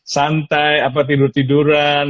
santai apa tidur tiduran